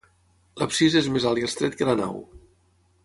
L'absis és més alt i estret que la nau.